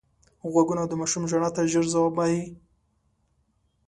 غوږونه د ماشوم ژړا ته ژر ځواب وايي